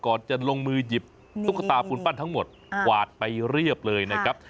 จะลงมือหยิบตุ๊กตาปูนปั้นทั้งหมดกวาดไปเรียบเลยนะครับ